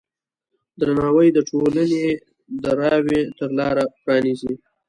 درناوی د ټولنې د راوي ته لاره پرانیزي.